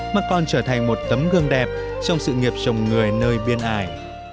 mà còn trở thành một tấm gương đẹp trong sự nghiệp chồng người nơi biên ải